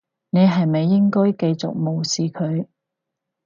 我係咪應該繼續無視佢？